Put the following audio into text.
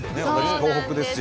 東北ですよ。